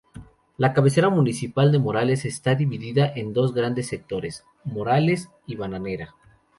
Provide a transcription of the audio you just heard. La cabecera municipal de Morales está dividida en dos grandes sectores: Morales y Bananera.